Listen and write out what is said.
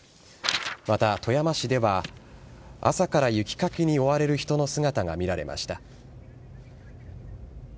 また、富山市では、朝から雪かきに追われる人の姿が見られました。